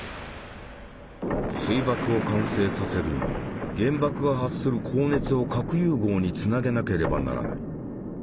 水爆を完成させるには原爆が発する高熱を核融合につなげなければならない。